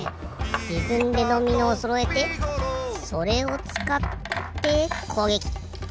じぶんでドミノをそろえてそれをつかってこうげき！